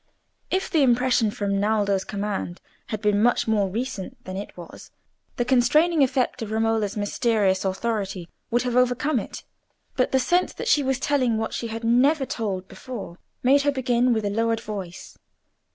If the impression from Naldo's command had been much more recent than it was, the constraining effect of Romola's mysterious authority would have overcome it. But the sense that she was telling what she had never told before made her begin with a lowered voice.